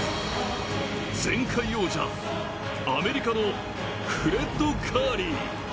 前回王者、アメリカのフレッド・カーリー。